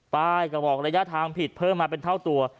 กระบอกระยะทางผิดเพิ่มมาเป็นเท่าตัว